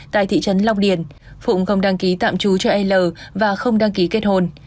tại thị trấn lọc điền phụng không đăng ký tạm trú cho l và không đăng ký kết hôn